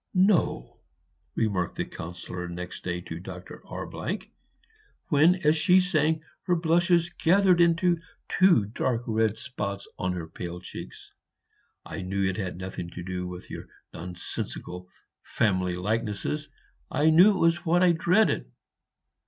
"No!" remarked the Councillor next day to Doctor R , "when, as she sang, her blushes gathered into two dark red spots on her pale cheeks, I knew it had nothing to do with your nonsensical family likenesses, I knew it was what I dreaded."